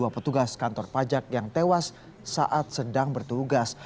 dua petugas kantor pajak yang tewas saat sedang bertugas